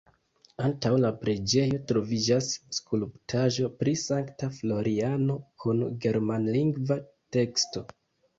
Antaŭ la preĝejo troviĝas skulptaĵo pri Sankta Floriano kun germanlingva teksto.